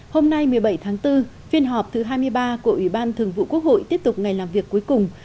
hôm nay một mươi bảy tháng bốn phiên họp thứ hai mươi ba của ủy ban thường vụ quốc hội tiếp tục ngày làm việc cuối cùng